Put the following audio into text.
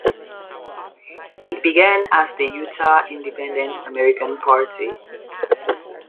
It began as the Utah Independent American Party.